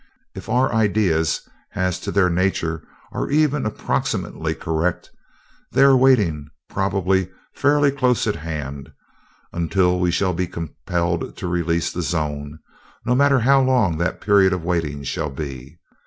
If our ideas as to their natures are even approximately correct, they are waiting, probably fairly close at hand, until we shall be compelled to release the zone, no matter how long that period of waiting shall be.